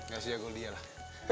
gak usah jago dia lah